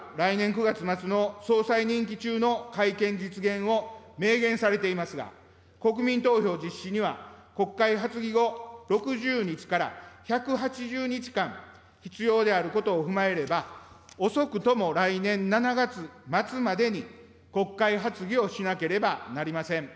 総理は来年９月末の総裁任期中の改憲実現を明言されていますが、国民投票実施には、国会発議後６０日から１８０日間必要であることを踏まえれば、遅くとも来年７月末までに、国会発議をしなければなりません。